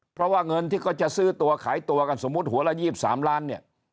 เพราะว่าเงินที่เขาจะซื้อตัวขายตัวกันสมมุติหัวละ๒๓ล้านเนี่ย